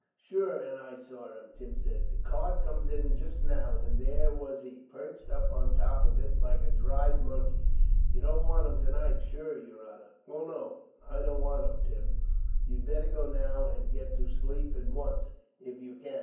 "Shure and I saw him," Tim said. "The cart come in just now, and there was he, perched up on the top of it like a dried monkey. You don't want him tonight, shure, yer honor." "Oh no, I don't want him, Tim. You'd better go now, and get to sleep at once, if you can.